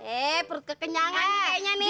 eh perut kekenyangan kayaknya nih